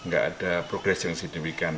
gak ada progres yang sedemikian